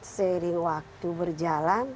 sering waktu berjalan